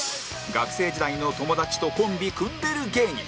学生時代の友達とコンビ組んでる芸人